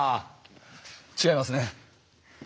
違いますね。